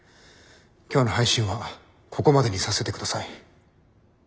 今日の配信はここまでにさせてください。